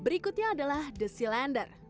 berikutnya adalah the cylinder